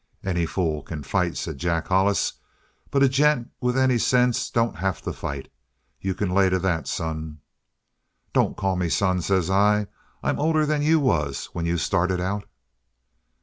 "'Any fool can fight,' says Jack Hollis. 'But a gent with any sense don't have to fight. You can lay to that, son!' "'Don't call me son,' says I. 'I'm older than you was when you started out.'